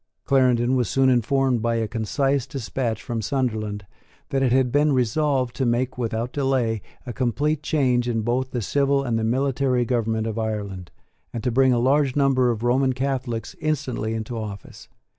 Clarendon was soon informed, by a concise despatch from Sunderland, that it had been resolved to make without delay a complete change in both the civil and the military government of Ireland, and to bring a large number of Roman Catholics instantly into office.